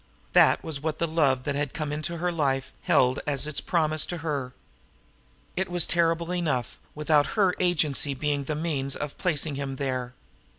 That was what the love that had come into her life held as its promise to her! It was terrible enough without her agency being the means of placing him there!